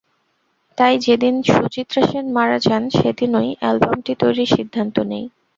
তাই যেদিন সুচিত্রা সেন মারা যান, সেদিনই অ্যালবামটি তৈরির সিদ্ধান্ত নিই।